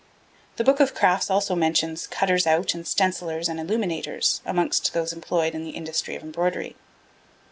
The book of crafts also mentions 'cutters out and stencillers and illuminators' amongst those employed in the industry of embroidery.